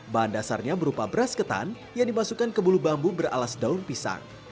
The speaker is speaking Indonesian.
bahan dasarnya berupa beras ketan yang dimasukkan ke bulu bambu beralas daun pisang